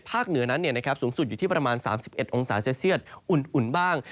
เหนือนั้นสูงสุดอยู่ที่ประมาณ๓๑องศาเซลเซียตอุ่นบ้าง